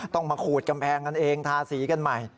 ต้องมาขูดกำแพงกันเองทาสีกันใหม่